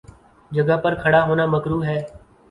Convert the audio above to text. جگہ پر کھڑا ہونا مکروہ ہے۔